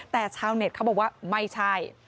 แต่ชาวเน็ตเขาบอกว่าไม่ใช่